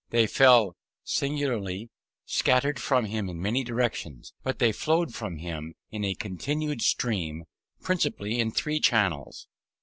They fell singly, scattered from him, in many directions, but they flowed from him in a continued stream principally in three channels.